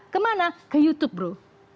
kemana ke youtube bro